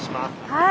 はい。